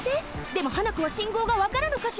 でもハナコはしんごうがわかるのかしら？